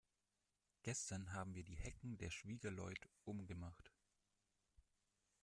Gestern haben wir die Hecken der Schwiegerleut um gemacht.